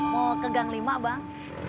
mau ke gang lima bang